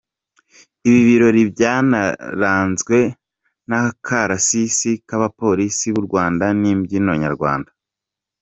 Ibi birori byanaranzwe n’akarasisi k’abapolisi b’u Rwanda n’imbyino nyarwanda.